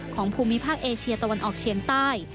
ภูมิภาคเอเชียตะวันออกเชียงใต้